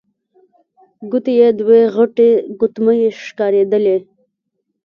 ګوتو يې دوې غټې ګوتمۍ ښکارېدلې.